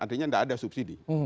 artinya tidak ada subsidi